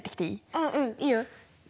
あうんいいよ。